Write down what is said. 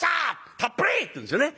たっぷり！」って言うんですよね。